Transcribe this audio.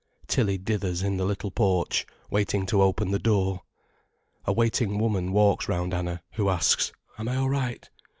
Tilly dithers in the little porch, waiting to open the door. A waiting woman walks round Anna, who asks: "Am I all right?"